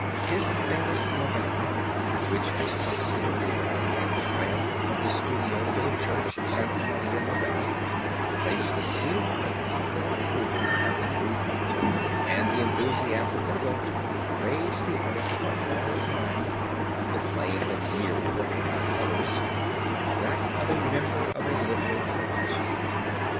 His famous Madonna which was subsequently borne in triumph from his studio to the Church of Santa Maria Novella, placed the seal of popular approval on the new art, and the enthusiasm it evoked raised the artist for all time from the plane of a mere worker in colors to that of a member of a liberal profession.